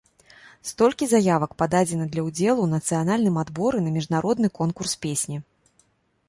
Столькі заявак пададзена для ўдзелу ў нацыянальным адборы на міжнародны конкурс песні.